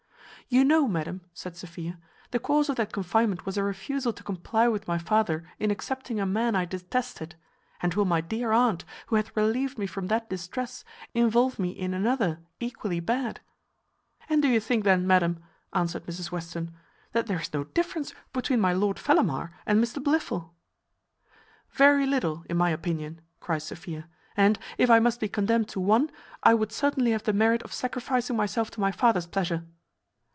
"You know, madam," said Sophia, "the cause of that confinement was a refusal to comply with my father in accepting a man I detested; and will my dear aunt, who hath relieved me from that distress, involve me in another equally bad?" "And do you think then, madam," answered Mrs Western, "that there is no difference between my Lord Fellamar and Mr Blifil?" "Very little, in my opinion," cries Sophia; "and, if I must be condemned to one, I would certainly have the merit of sacrificing myself to my father's pleasure."